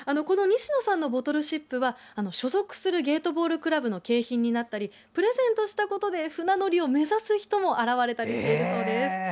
西野さんのボトルシップは所属するゲートボールクラブの景品になったりプレゼントしたことで船乗りを目指す人も現れたりしているそうです。